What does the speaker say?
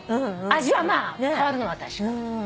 味はまあ変わるのは確か。